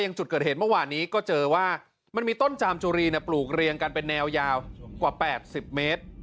จุดเกิดเหตุเมื่อวานนี้ก็เจอว่ามันมีต้นจามจุรีปลูกเรียงกันเป็นแนวยาวกว่า๘๐เมตร